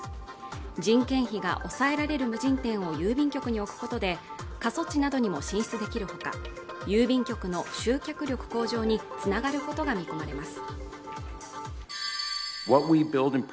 人件費が抑えられる無人店を郵便局に置くことで過疎地などにも進出できるほか郵便局の集客力向上につながることが見込まれます